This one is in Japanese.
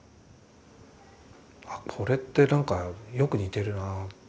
あっこれってなんかよく似てるな。